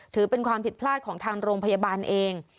ถือเป็นความผิดพลาดของทางโรงพยาบาลเอง